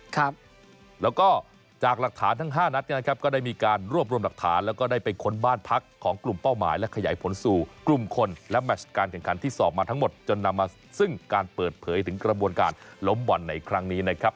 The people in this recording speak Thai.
ครับแล้วก็จากหลักฐานทั้งห้านัดเนี่ยนะครับก็ได้มีการรวบรวมหลักฐานแล้วก็ได้ไปค้นบ้านพักของกลุ่มเป้าหมายและขยายผลสู่กลุ่มคนและแมชการแข่งขันที่สอบมาทั้งหมดจนนำมาซึ่งการเปิดเผยถึงกระบวนการล้มบ่อนในครั้งนี้นะครับ